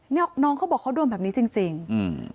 น้องเขาบอกเขาโดนแบบนี้จริงจริงอืม